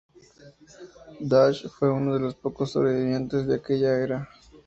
Dash fue uno de los pocos sobrevivientes de aquella era.